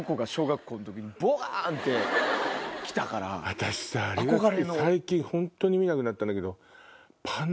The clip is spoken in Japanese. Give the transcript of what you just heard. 私さ最近本当に見なくなったんだけど。